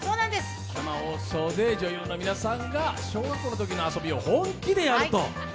生放送で女優の皆さんが小学校のときの遊びを本気でやると。